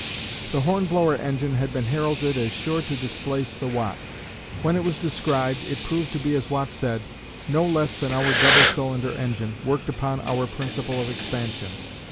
The Hornblower engine had been heralded as sure to displace the Watt. When it was described, it proved to be as Watt said, "no less than our double cylinder engine, worked upon our principle of expansion.